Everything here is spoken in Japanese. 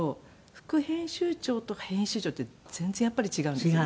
副編集長と編集長って全然やっぱり違うんですね。